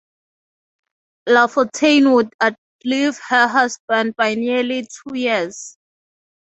Lafontaine would outlive her husband by nearly two years.